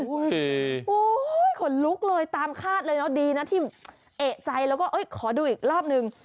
โอ้โหขนลุกเลยตามคาดเลยเนอะดีนะที่เอกใจแล้วก็ขอดูอีกรอบนึง